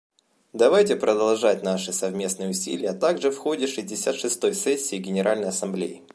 Давайте продолжать наши совместные усилия также в ходе шестьдесят шестой сессии Генеральной Ассамблеи.